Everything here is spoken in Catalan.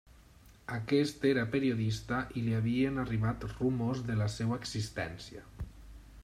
Aquest era periodista i li havien arribat rumors de la seva existència.